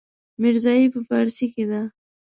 ميرزايي په پارسي کې ده.